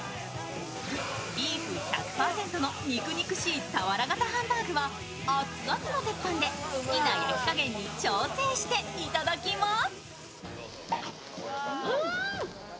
ビーフ１００％の肉肉しい俵型ハンバーグは熱々の鉄板で好きな焼き加減に調整していただきます。